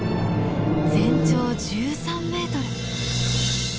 全長１３ｍ。